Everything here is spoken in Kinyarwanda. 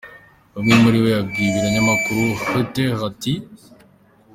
Umwe muri bo yabwiye ibiro ntaramakuru Reuters ati:.